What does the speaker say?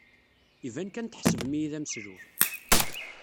Iban kan tḥesbem-iyi d ameslub.